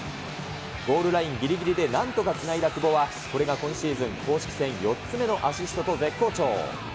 ゴールラインぎりぎりでなんとかつないだ久保は、これが今シーズン公式戦４つ目のアシストと絶好調。